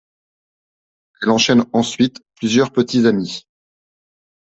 Elle enchaîne ensuite plusieurs petits-amis.